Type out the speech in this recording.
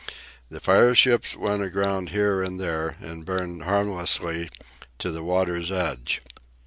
The fireships went aground here and there, and burned harmlessly to the water's edge.